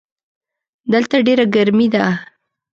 دلته ډېره ګرمي ده.